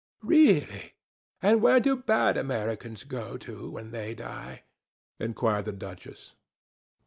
"Really! And where do bad Americans go to when they die?" inquired the duchess.